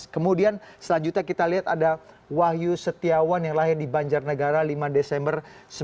kemudian selanjutnya kita lihat ada wahyu setiawan yang lahir di banjarnegara lima desember seribu sembilan ratus sembilan puluh